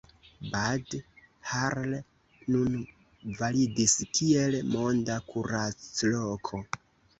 Bad Hall nun validis kiel „monda kuracloko“.